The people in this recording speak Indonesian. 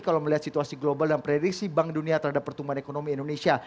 kalau melihat situasi global dan prediksi bank dunia terhadap pertumbuhan ekonomi indonesia